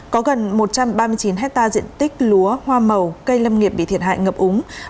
có gần một trăm ba mươi chín hectare diện tích lúa hoa màu cây lâm nghiệp bị thiệt hại ngập úng